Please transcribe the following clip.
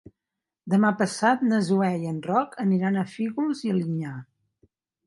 Demà passat na Zoè i en Roc aniran a Fígols i Alinyà.